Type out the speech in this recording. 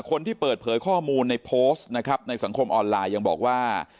คนที่เปิดเผยข้อมูลในโพสต์นะครับในสังคมออนไลน์ยังบอกว่า